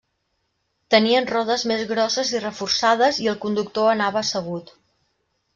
Tenien rodes més grosses i reforçades i el conductor anava assegut.